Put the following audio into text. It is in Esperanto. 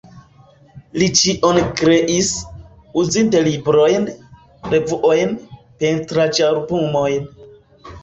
Li ĉion kreis, uzinte librojn, revuojn, pentraĵalbumojn.